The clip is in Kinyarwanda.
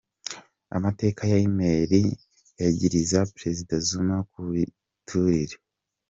Amakete ya email yagiriza Prezida Zuma ku biturire.